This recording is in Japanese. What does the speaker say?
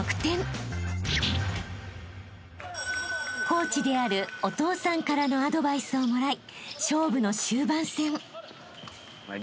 ［コーチであるお父さんからのアドバイスをもらい］